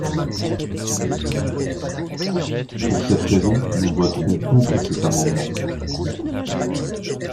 Pour cette raison, nous voterons contre cet amendement.